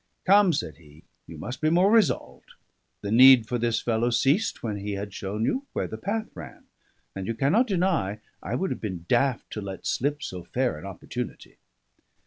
"Come," said he, "you must be more resolved. The need for this fellow ceased when he had shown you where the path ran; and you cannot deny I would have been daft to let slip so fair an opportunity."